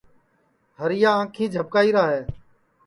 ہریا آنکھی جھپکائیرا ہے